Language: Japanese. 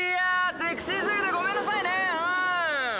セクシーすぎてごめんなさいね！